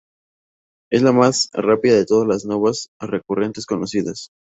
Es la más rápida de todas las novas recurrentes conocidas.